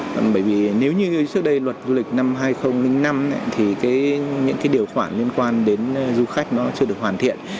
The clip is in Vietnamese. còn bởi vì nếu như trước đây luật du lịch năm hai nghìn năm thì những cái điều khoản liên quan đến du khách nó chưa được hoàn thiện